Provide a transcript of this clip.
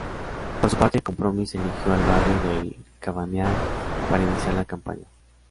Por su parte, Compromís eligió el Barrio del Cabanyal para iniciar la campaña.